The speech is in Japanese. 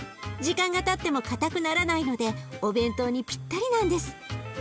時間がたっても硬くならないのでお弁当にぴったりなんです。